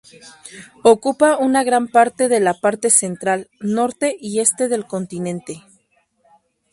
Ocupa una gran parte de la parte central, norte y este del continente.